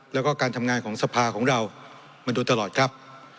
แล้วก็การทำงานของสภาของเรามาดูตลอดครับ